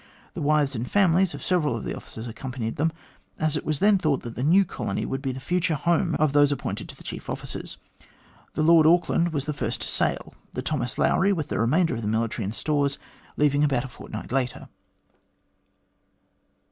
The wives and families of several of the officers accompanied them, as it was then thought that the new colony would be the future home of those appointed to the chief offices. The Lord Auckland was the first to sail ; the Thomas Lowry, with the remainder of the military and stores, leaving about a fortnight later.